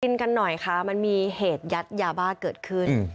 กันหน่อยค่ะมันมีเหตุยัดยาบ้าเกิดขึ้น